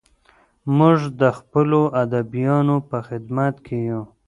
موږ د خپلو ادیبانو په خدمت کې یو.